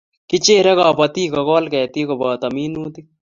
Kicherei kobotik kokol ketik koboto minutik